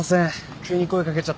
急に声掛けちゃったから。